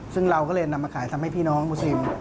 ซึ่งเราก็เลยนำมาขายทำให้พี่น้องมูซิม